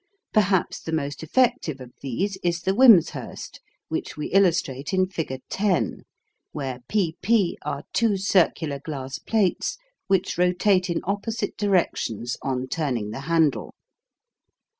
Perhaps the most effective of these is the Wimshurst, which we illustrate in figure 10, where PP are two circular glass plates which rotate in opposite directions on turning the handle.